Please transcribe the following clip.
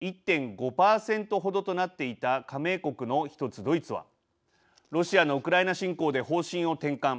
これに消極的とされ１．５％ほどとなっていた加盟国の１つドイツはロシアのウクライナ侵攻で方針を転換。